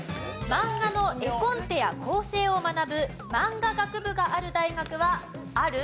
マンガの絵コンテや構成を学ぶ「マンガ学部」がある大学はある？